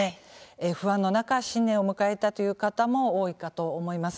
不安の中新年を迎えたという方も多いかと思います。